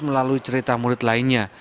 melalui cerita murid lainnya